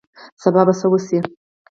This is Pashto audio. سبا به څه وشي